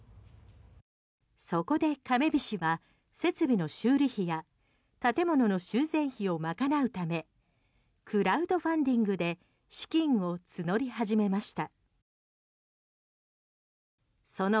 そこでかめびしは設備の修理費や建物の修繕費を賄うためクラウドファンディングで資金を募り始めました。